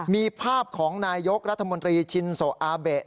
มีภาพของนายยกรัฐมนตรีชินโซอาเบะ